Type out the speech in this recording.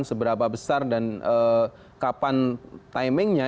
seberapa besar dan kapan timingnya